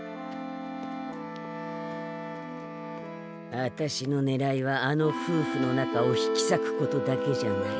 あたしのねらいはあのふうふの仲を引きさくことだけじゃない。